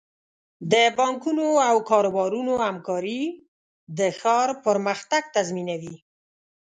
د بانکونو او کاروبارونو همکاري د ښار پرمختګ تضمینوي.